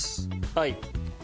はい。